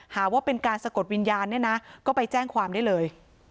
หาว่าเป็นการสะกดวิญญาณเนี่ยนะก็ไปแจ้งความได้เลย